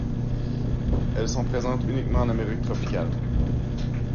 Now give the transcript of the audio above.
Elles sont présentes uniquement en Amérique tropicale.